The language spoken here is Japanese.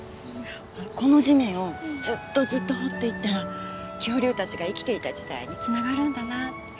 この地面をずっとずっと掘っていったら恐竜たちが生きていた時代につながるんだなって。